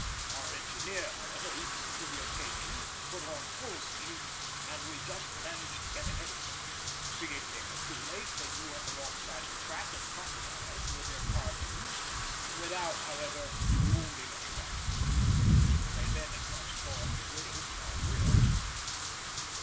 Our engineer, however, equal to the occasion, put on full steam, and we just managed to get ahead of them. Seeing they were too late, they drew up alongside the track and potted at us with their carbines, without, however, wounding any one. They then at once tore up the rails in our rear.